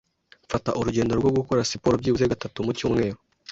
Mfata urugendo rwo gukora siporo byibuze gatatu mu cyumweru.